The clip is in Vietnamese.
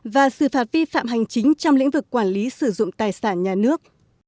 và xử phạt vi phạm hành chính trong lĩnh vực quản lý sử dụng tài sản nhà nước